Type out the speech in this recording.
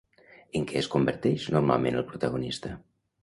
En què es converteix normalment el protagonista?